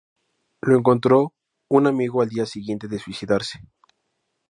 Lo encontró un amigo al día siguiente de suicidarse.